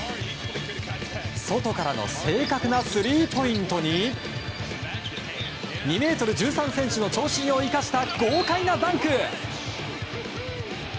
外からの正確なスリーポイントに２ｍ１３ｃｍの長身を生かした豪快なダンク。